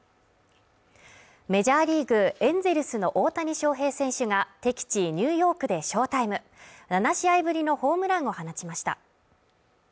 メジャーリーグエンゼルスの大谷翔平選手が、敵地ニューヨークで翔タイム７試合ぶりのホームランを放ちました。